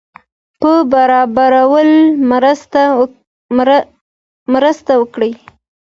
په برابرولو کې مرسته وکړي.